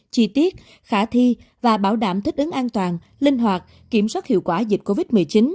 chi tiết khả thi và bảo đảm thích ứng an toàn linh hoạt kiểm soát hiệu quả dịch covid một mươi chín